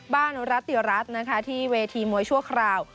รัติรัฐนะคะที่เวทีมวยชั่วคราว